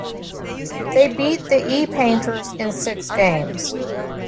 They beat the E-Painters in six games.